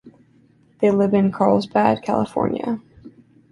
They live in Carlsbad, California.